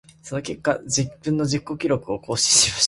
その結果、自己記録の更新を達成しました。